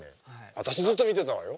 私ずっと見てたわよ。